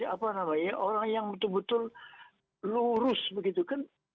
apa namanya orang yang betul betul lurus begitu kan